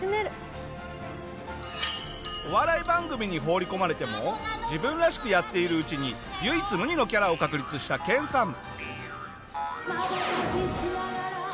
お笑い番組に放り込まれても自分らしくやっているうちに唯一無二のキャラを確立した研さん。